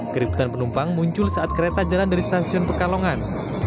keributan penumpang muncul saat kereta jalan dari stasiun pekalongan